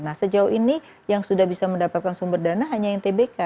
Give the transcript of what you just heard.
nah sejauh ini yang sudah bisa mendapatkan sumber dana hanya yang tbk